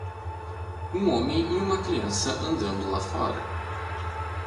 Um homem e uma criança andando lá fora.